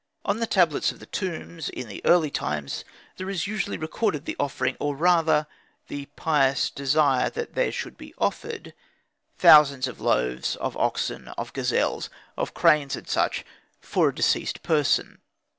On the tablets of the tombs in the early times, there is usually recorded the offering or, rather, the pious desire that there should be offered thousands of loaves, of oxen, of gazelles, of cranes, &c., for a deceased person.